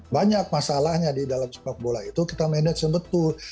banyak masalahnya di dalam sepak bola itu kita manage betul